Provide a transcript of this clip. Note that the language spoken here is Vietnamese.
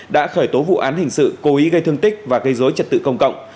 đã khởi tố vụ án hình sự cố ý gây thương tích và gây dối trật tự công cộng